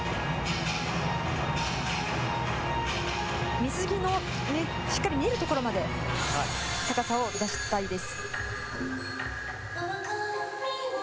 水着のしっかり見えるところまで高さを出したいです。